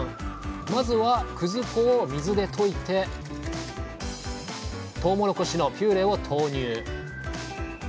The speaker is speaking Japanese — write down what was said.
まずはくず粉を水で溶いてとうもろこしのピューレを投入。